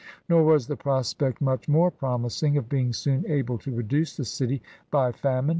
Nor was the prospect much more promising of being soon able to reduce the city by famine.